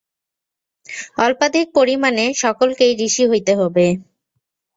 অল্পাধিক পরিমাণে সকলকেই ঋষি হইতে হইবে।